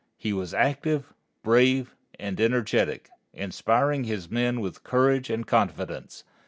He was active, brave, and energetic, inspiring his men with courage and confidence.